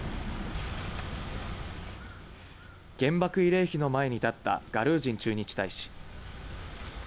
原爆慰霊碑の前に立ったガルージン駐日大使。